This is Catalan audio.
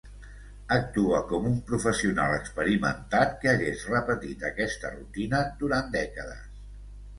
Actua com un professional experimentat que hagués repetit aquesta rutina durant dècades.